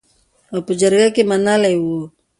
او په جرګه کې منلې وو .